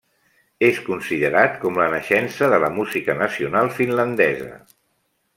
És considerat com la naixença de la música nacional finlandesa.